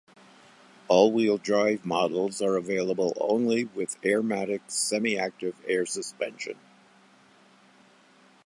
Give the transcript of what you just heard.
All-wheel drive models are available only with "Airmatic" semi-active air suspension.